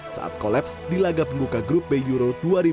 saat kolaps di laga pembuka grup b euro dua ribu dua puluh